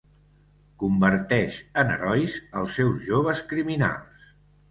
Converteix en herois els seus joves criminals.